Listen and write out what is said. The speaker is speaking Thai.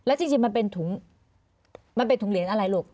จริงมันเป็นถุงมันเป็นถุงเหรียญอะไรลูก